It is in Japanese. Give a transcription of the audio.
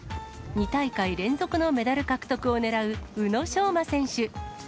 ２大会連続のメダル獲得を狙う宇野昌磨選手。